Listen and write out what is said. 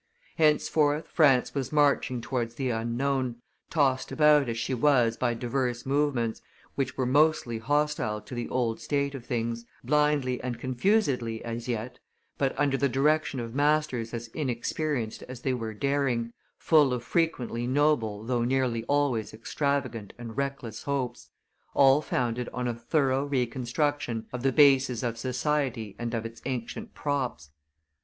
Henceforth France was marching towards the unknown, tossed about as she was by divers movements, which were mostly hostile to the old state of things, blindly and confusedly as yet, but, under the direction of masters as inexperienced as they were daring, full of frequently noble though nearly always extravagant and reckless hopes, all founded on a thorough reconstruction of the bases of society and of its ancient props.